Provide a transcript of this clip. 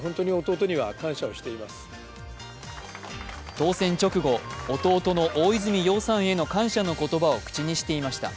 当選長後、弟の大泉洋さんへの感謝の言葉を口にしていました。